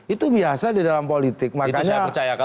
itu biasa di dalam politik makanya